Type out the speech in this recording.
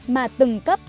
mà từng cấp